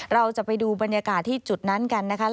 เราจะไปดูบรรยากาศที่จุดนั้นกันนะคะ